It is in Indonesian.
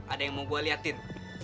ada yang mau gue liatin